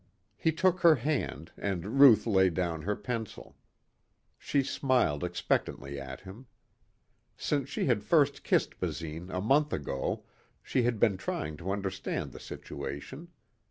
He took her hand and Ruth laid down her pencil. She smiled expectantly at him. Since she had first kissed Basine a month ago she had been trying to understand the situation.